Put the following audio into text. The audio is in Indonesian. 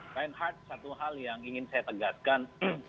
tentu saja satu hal yang ingin saya tegaskan